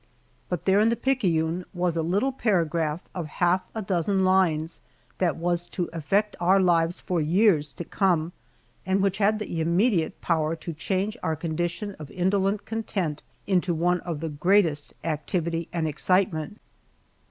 But there in the Picayune was the little paragraph of half a dozen lines that was to affect our lives for years to come, and which had the immediate power to change our condition of indolent content, into one of the greatest activity and excitement!